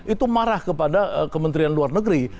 itu marah kepada kementerian luar negeri